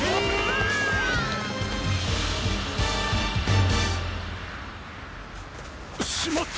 あ！しまった！